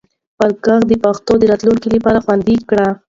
خپل ږغ د پښتو د راتلونکي لپاره خوندي کړئ.